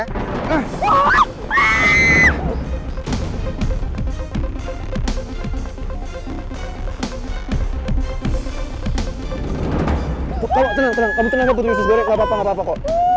tuh kang tenang kamu tenang putri usus goreng gapapa gapapa kok